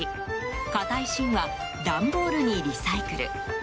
硬い芯は段ボールにリサイクル。